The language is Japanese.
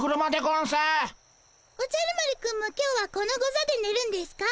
おじゃる丸くんも今日はこのゴザでねるんですか？